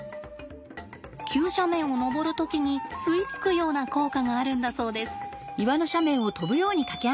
急斜面を登る時に吸い付くような効果があるんだそうです。